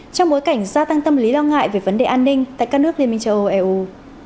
trong bối cảnh gia tăng tâm lý lo ngại về vấn đề an ninh tại các nước liên minh châu âu eu